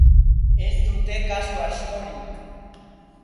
Ez dute kasu askorik.